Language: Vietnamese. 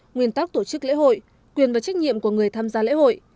nguyên tắc tổ chức lễ hội quyền và trách nhiệm của người tham gia lễ hội